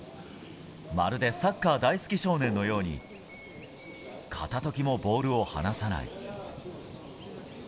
まるでサッカー大好き少年のように、片時もボールを離さない。